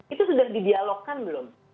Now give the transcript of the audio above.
itu sudah di dialogkan belum